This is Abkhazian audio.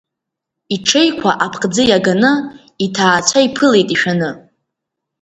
Иҽеиқәа аԥхӡы иаганы, иҭаацәа иԥылеит ишәаны.